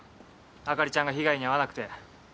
朱莉ちゃんが被害に遭わなくて。